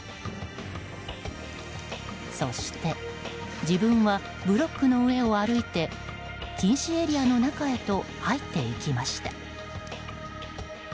そして、自分はブロックの上を歩いて禁止エリアの中へと入っていきました。